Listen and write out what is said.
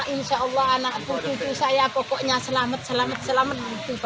insya allah anak cucu saya pokoknya selamat selamat